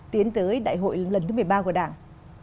tiến tới đại hội lần thứ một mươi ba của đảng